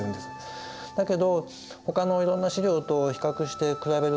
だけどほかのいろんな資料と比較して比べる